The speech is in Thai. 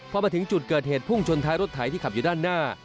พอมาถึงจุดเกิดเหตุพุ่งชนท้ายรถไถที่ขับอยู่ด้านหน้า